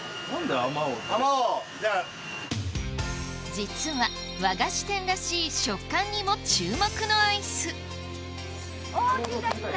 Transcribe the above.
実は和菓子店らしい食感にも注目のアイスお来た来た。